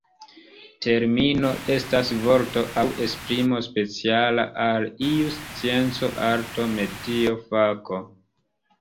Termino estas vorto aŭ esprimo speciala al iu scienco, arto, metio, fako.